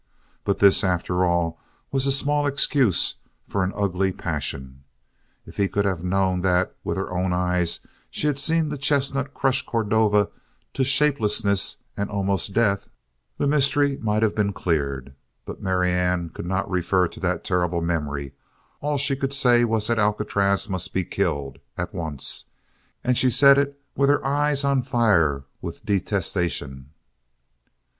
But this, after all, was a small excuse for an ugly passion. If he could have known that with her own eyes she had seen the chestnut crush Cordova to shapelessness and almost to death, the mystery might have been cleared. But Marianne could not refer to that terrible memory. All she could say was that Alcatraz must be killed at once! And she said it with her eyes on fire with detestation.